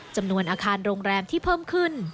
จำนวนอาคารโรงแรมที่เพิ่มขึ้น